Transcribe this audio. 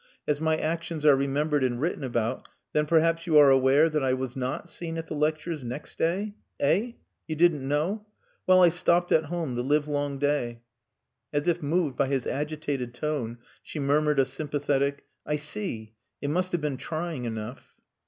As my actions are remembered and written about, then perhaps you are aware that I was not seen at the lectures next day. Eh? You didn't know? Well, I stopped at home the live long day." As if moved by his agitated tone, she murmured a sympathetic "I see! It must have been trying enough."